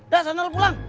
dah sana lu pulang